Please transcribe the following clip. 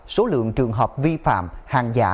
số lượng trường hợp vi phạm hàng giả